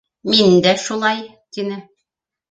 — Мин дә шулай, — тине.